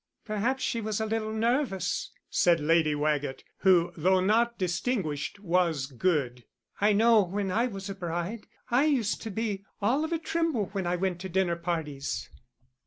"Perhaps she was a little nervous," said Lady Waggett, who, though not distinguished, was good. "I know when I was a bride I used to be all of a tremble when I went to dinner parties."